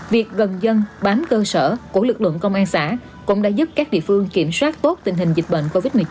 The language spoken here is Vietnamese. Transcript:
việc gần dân bám cơ sở của lực lượng công an xã cũng đã giúp các địa phương kiểm soát tốt tình hình dịch bệnh covid một mươi chín